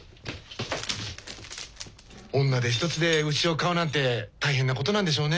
女手一つで牛を飼うなんて大変なことなんでしょうね。